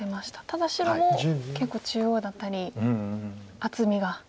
ただ白も結構中央だったり厚みが。